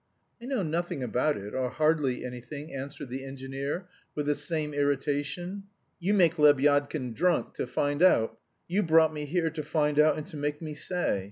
"I know nothing about it, or hardly anything," answered the engineer with the same irritation. "You make Lebyadkin drunk to find out. You brought me here to find out and to make me say.